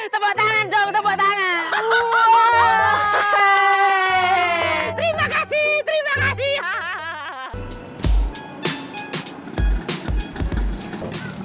terima kasih terima kasih